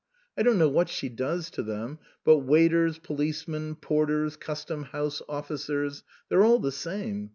I don't know what she does to them, but waiters, policemen, porters, custom house officers, they're all the same.